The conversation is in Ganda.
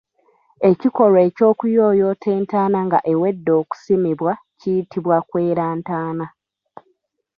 Ekikolwa ky’okuyooyoota entaana nga ewedde okusimibwa kiyitibwa kwera ntaana.